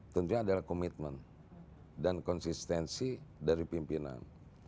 tentunya adalah komitmen dan konsistensi dari pimpinan